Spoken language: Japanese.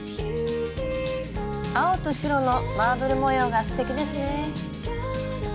青と白のマーブル模様がすてきですね。